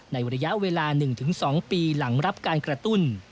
ในระยะเวลา๑๒ปีหลังรับการกระตุ้น